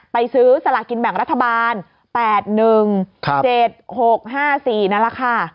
ซื้อสลากินแบ่งรัฐบาล๘๑๗๖๕๔นั่นแหละค่ะ